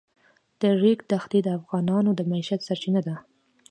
د ریګ دښتې د افغانانو د معیشت سرچینه ده.